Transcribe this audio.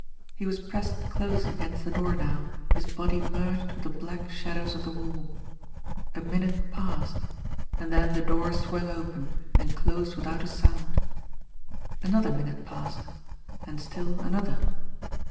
He was pressed close against the door now, his body merged with the black shadows of the wall. A minute passed and then the door swung open, and closed without a sound. Another minute passed, and still another.